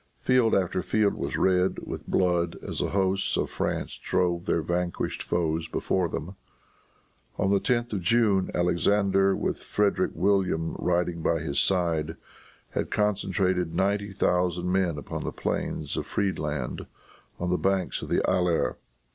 Field after field was red with blood as the hosts of France drove their vanquished foes before them. On the 10th of June, Alexander, with Frederic William riding by his side, had concentrated ninety thousand men upon the plains of Friedland, on the banks of the Aller.